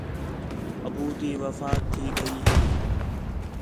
ابو تی وفات تھی ڳئی ہی